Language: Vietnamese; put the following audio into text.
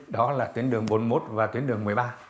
đó là tuyến đường bốn mươi một và tuyến đường một mươi ba